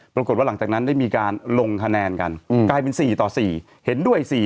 ปรากฏว่าหลังจากนั้นได้มีการลงคะแนนกันกลายเป็น๔ต่อ๔เห็นด้วย๔